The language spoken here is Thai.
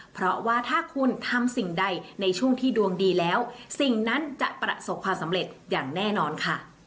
เพราะว่าถ้าคุณทำสิ่งใดในช่วงที่ดวงดีแล้วสิ่งนั้นจะประสบความสำเร็จอย่างแน่นอนค่ะ